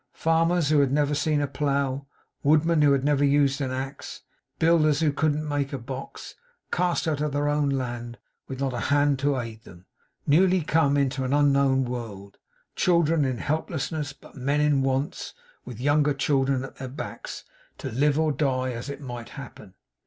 Farmers who had never seen a plough; woodmen who had never used an axe; builders who couldn't make a box; cast out of their own land, with not a hand to aid them: newly come into an unknown world, children in helplessness, but men in wants with younger children at their backs, to live or die as it might happen!